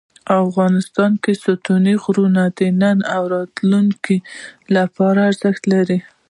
افغانستان کې ستوني غرونه د نن او راتلونکي لپاره ارزښت لري.